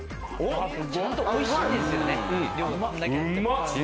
ちゃんとおいしいですよね。